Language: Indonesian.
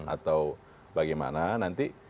atau bagaimana nanti